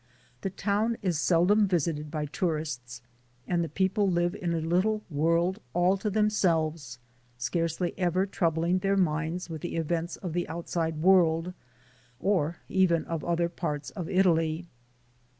The town is seldom visited by tourists and the people live in a little world all to themselves, scarcely ever troubling their minds with the events of the outside world or even of other parts of Italy.